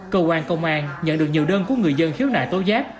cơ quan công an nhận được nhiều đơn của người dân khiếu nại tố giáp